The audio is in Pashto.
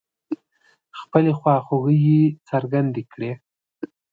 خپلې خواخوږۍ يې څرګندې کړې.